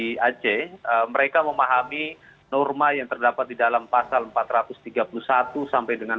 hai akif kabupaten kota di aceh mereka memahami norma yang terdapat di dalam pasal empat ratus tiga puluh satu sampai dengan